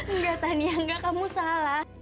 enggak tanya enggak kamu salah